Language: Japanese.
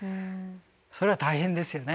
それは大変ですよね。